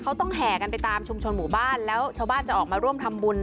เขาต้องแห่กันไปตามชุมชนหมู่บ้านแล้วชาวบ้านจะออกมาร่วมทำบุญ